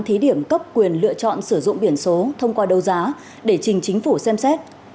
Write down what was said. thí điểm cấp quyền lựa chọn sử dụng biển số thông qua đấu giá để trình chính phủ xem xét